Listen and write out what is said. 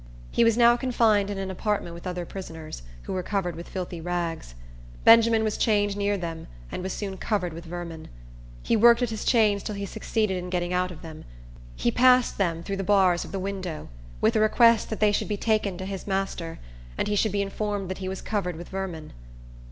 He was now confined in an apartment with other prisoners, who were covered with filthy rags. Benjamin was chained near them, and was soon covered with vermin. He worked at his chains till he succeeded in getting out of them. He passed them through the bars of the window, with a request that they should be taken to his master, and he should be informed that he was covered with vermin.